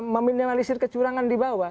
meminimalisir kecurangan di bawah